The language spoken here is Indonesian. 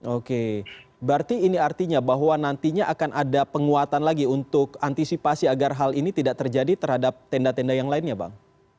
oke berarti ini artinya bahwa nantinya akan ada penguatan lagi untuk antisipasi agar hal ini tidak terjadi terhadap tenda tenda yang lainnya bang